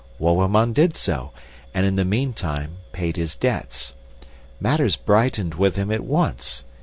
Wouwerman did so, and in the meantime paid his debts. Matters brightened with him at once.